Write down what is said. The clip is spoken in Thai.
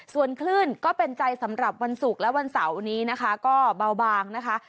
ส่วนคลื่นก็เป็นใจสำหรับวันศุกร์และวันเสาร์นี้นะคะก็เบาบางนะคะ